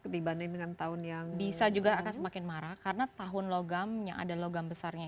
dibanding dengan tahun yang bisa juga akan semakin marah karena tahun logamnya ada logam besarnya